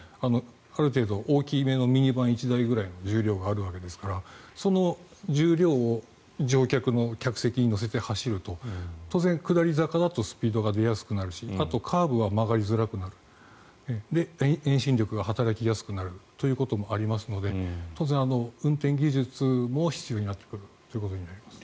ある程度、大きめのミニバン１台程度の重量があるわけですからその重量を乗客の客席に乗せて走ると当然下り坂だとスピードが出やすくなるしカーブだと曲がりづらくなってそれで遠心力が働きやすくなるということもありますので当然、運転技術も必要になってくるということになります。